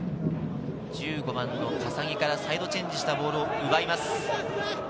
１５番の笠置からサイドチェンジしたボールを奪います。